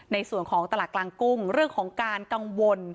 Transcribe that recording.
ในส่วนของตลาดกลางกุ้งเรื่องของการกังวล